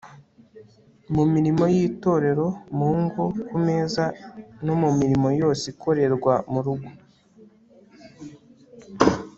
mu mirimo y'itorero, mu ngo, ku meza, no mu mirimo yose ikorerwa mu rugo